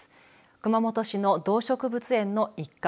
熊本市の動植物園の一角。